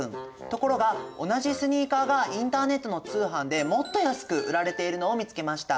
ところが同じスニーカーがインターネットの通販でもっと安く売られているのを見つけました。